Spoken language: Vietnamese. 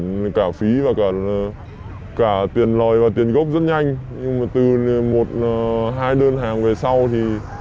được cả phí và cả cả tiền lời và tiền gốc rất nhanh nhưng mà từ một hai đơn hàng về sau thì